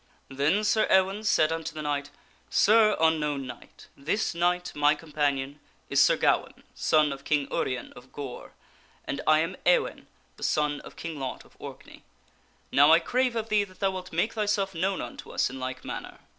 Then Sir Ewaine said unto the knight, " Sir Unknown Knight, this knight, my com 248 THE STORY OF SIR PELLIAS panion, is Sir Gawaine, son of King Urien of Gore, and I am Ewaine, the son of King Lot of Orkney. Now, I crave of thee that wilt make thyself known unto us in like manner."